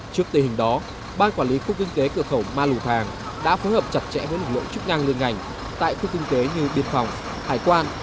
trước tình hình đó ban quản lý khu kinh tế cửa khẩu ma lù thàng đã phối hợp chặt chẽ với lực lượng chức năng liên ngành tại khu kinh tế như biên phòng hải quan